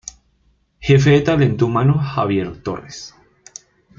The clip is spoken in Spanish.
Jefe de Talento humano:Javier Torres.